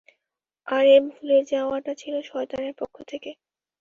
আর এ ভুলে যাওয়াটা ছিল শয়তানের পক্ষ থেকে।